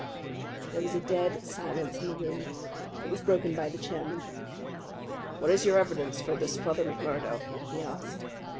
There was a dead silence in the room. It was broken by the chairman. "What is your evidence for this, Brother McMurdo?" he asked.